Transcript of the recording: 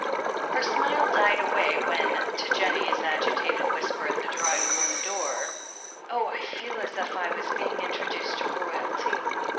Her smile died away when, to Jennie's agitated whisper at the drawing room door, "Oh, I feel as if I was being introduced to Royalty!"